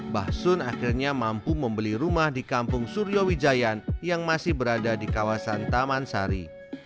basun akhirnya mampu membeli rumah di kampung suryowijayan yang masih berada di kawasan taman sari